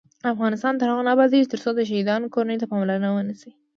افغانستان تر هغو نه ابادیږي، ترڅو د شهیدانو کورنیو ته پاملرنه ونشي.